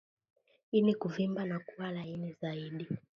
Ini kuvimba na kuwa laini zaidi